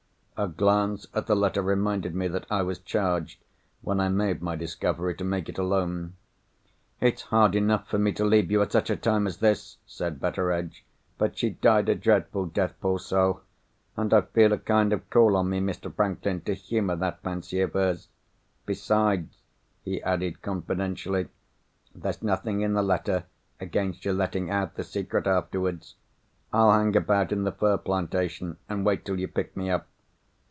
A glance at the letter reminded me that I was charged, when I made my discovery, to make it alone. "It's hard enough for me to leave you, at such a time as this," said Betteredge. "But she died a dreadful death, poor soul—and I feel a kind of call on me, Mr. Franklin, to humour that fancy of hers. Besides," he added, confidentially, "there's nothing in the letter against your letting out the secret afterwards. I'll hang about in the fir plantation, and wait till you pick me up.